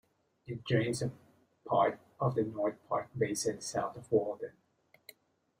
It drains part of the North Park basin south of Walden.